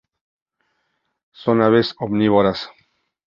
Son aves omnívoras.